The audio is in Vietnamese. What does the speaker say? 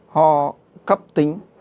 ho cấp tính